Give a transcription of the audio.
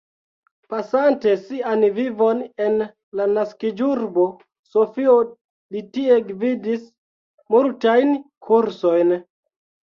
Pasante sian vivon en la naskiĝurbo Sofio, li tie gvidis multajn kursojn.